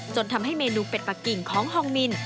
จนทำให้เมนูเป็ดปะกิ่งของฮองมิน